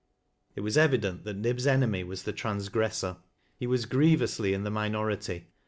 " It was eyident that Nib's enemy was the transgressor. He was grievously in the minority.